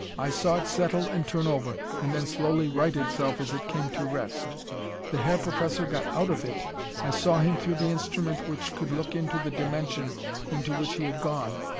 I saw it settle and turn over, and then slowly right itself as it came to rest. The Herr Professor got out of it. I saw him through the instrument which could look into the dimension into which he had gone.